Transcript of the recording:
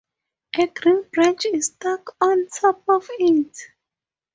A green branch is stuck on top of it.